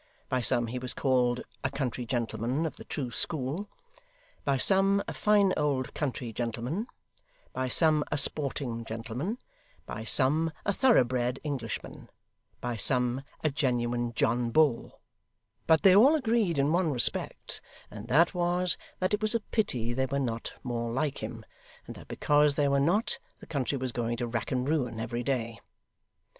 By some he was called 'a country gentleman of the true school,' by some 'a fine old country gentleman,' by some 'a sporting gentleman,' by some 'a thorough bred Englishman,' by some 'a genuine John Bull;' but they all agreed in one respect, and that was, that it was a pity there were not more like him, and that because there were not, the country was going to rack and ruin every day.